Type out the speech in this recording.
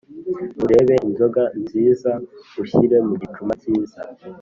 urebe inzoga nziza ushyire mu gicuma cyiza,